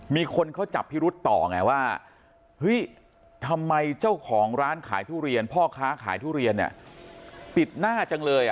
มีคนเขาจับพิรุษต่อไงว่าเฮ้ยทำไมเจ้าของร้านขายทุเรียนพ่อค้าขายทุเรียนเนี่ยติดหน้าจังเลย